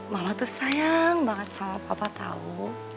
mama tuh sayang banget sama papa tau